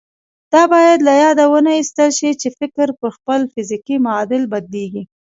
دا بايد له ياده ونه ايستل شي چې فکر پر خپل فزيکي معادل بدلېږي.